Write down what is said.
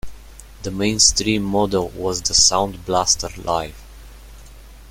The mainstream model was the Sound Blaster Live!